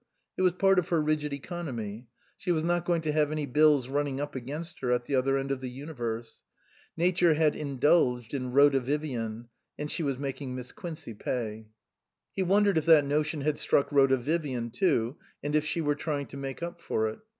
It was part of her rigid economy. She was not going to have any bills running up against her at the other end of the universe. Nature had indulged in Rhoda Vivian and she was making Miss Quincey pay. He wondered if that notion had struck Rhoda Vivian too, and if she were trying to make up for it.